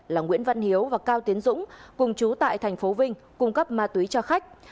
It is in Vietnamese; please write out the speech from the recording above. là nguyễn văn hiếu và cao tiến dũng cùng chú tại thành phố vinh cung cấp ma túy cho khách